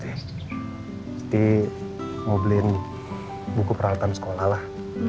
pasti mau beliin buku peralatan sekolah lah